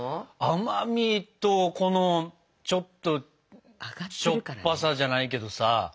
甘みとこのちょっとしょっぱさじゃないけどさ。